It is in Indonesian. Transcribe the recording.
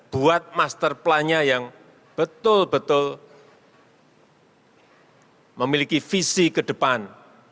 buat master plannya yang betul betul memiliki visi ke depan